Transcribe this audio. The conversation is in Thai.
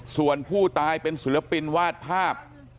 ส่วนผู้ตายเป็นศิลปินวาดภาพ